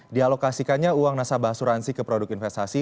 dialokasikannya uang nasabah asuransi ke produk investasi